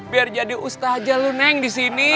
biar jadi ustazah aja lo neng disini